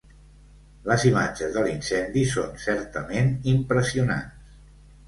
Les imatges de l’incendi són certament impressionants.